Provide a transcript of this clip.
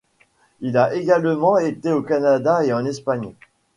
Il a également été au Canada et en Espagne.